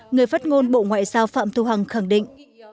người phát ngôn bộ ngoại giao phạm thu hằng khẳng định